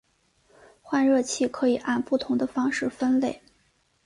换热器可以按不同的方式分类。